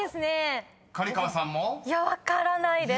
分からないです。